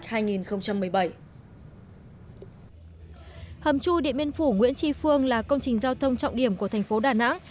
hầm chui điện biên phủ nguyễn tri phương là công trình giao thông trọng điểm của tp đà nẵng